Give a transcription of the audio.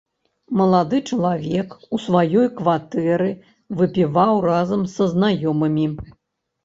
Малады чалавек у сваёй кватэры выпіваў разам са знаёмымі.